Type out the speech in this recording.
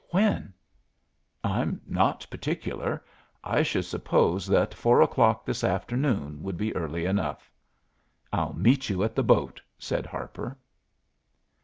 "When?" "I'm not particular. I should suppose that four o'clock this afternoon would be early enough." "I'll meet you at the boat," said Harper.